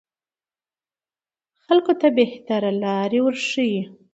خلکو ته بهترې لارې وروښيي